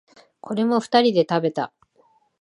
これも二人で食べた。